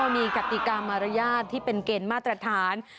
อ๋อมีกัติกรรมรยาชที่เป็นเกณฑ์มาตรฐาน